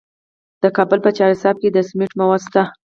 د کابل په چهار اسیاب کې د سمنټو مواد شته.